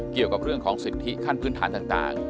เกี่ยวกับเรื่องของสิทธิขั้นพื้นฐานต่าง